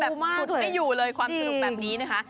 ขุดไม่อยู่เลยความสนุกแบบนี้นะคะ